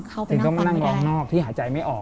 เข้าไปนั่งฟังไม่ได้ต้องนั่งนอกที่หายใจไม่ออก